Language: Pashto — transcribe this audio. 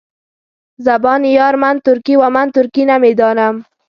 زبان یار من ترکي ومن ترکي نمیدانم.